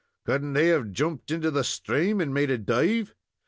"Could n't he have jumped into the stream, and made a dive?